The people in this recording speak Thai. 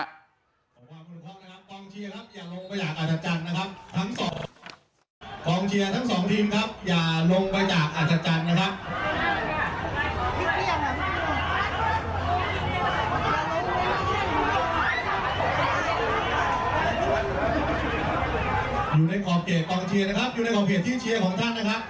อยู่ในขอบเขตกองเชียร์นะครับอยู่ในขอบเขตที่เชียร์ของท่านนะครับ